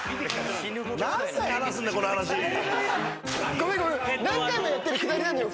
ごめんごめん何回もやってるくだりなのよ。